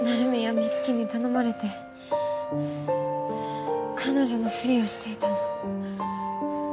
美月に頼まれて彼女のフリをしていたの。